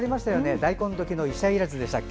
大根どきの医者いらずでしたっけ。